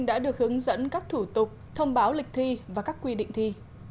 đã được hướng dẫn các thủ tục thông báo lịch thi và các quy định thi